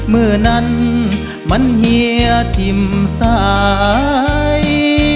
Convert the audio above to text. เมื่อนั้นมันเฮียทิ้มสาย